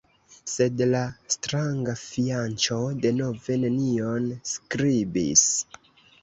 Sed la stranga fianĉo denove nenion skribis.